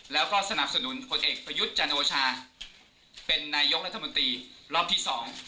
แล้วก็สนับสนุนพลเอกประยุทธ์จันโอชาเป็นนายกรัฐมนตรีรอบที่สอง